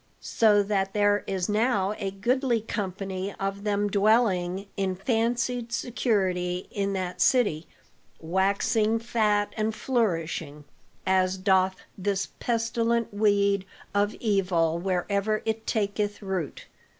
So that there is now a goodly company of them dwelling in fancied security in that city, waxing fat and flourishing, as doth this pestilent weed of evil wherever it taketh root.